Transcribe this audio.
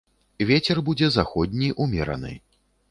Вецер будзе заходні, умераны.